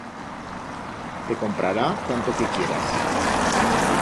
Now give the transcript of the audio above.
Te comprará tanto que quieras.